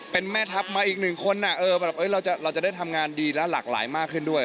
เป็นแม่ทัพมาอีกหนึ่งคนเราจะได้ทำงานดีและหลากหลายมากขึ้นด้วย